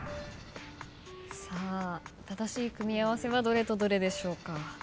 さあ正しい組み合わせはどれとどれでしょうか。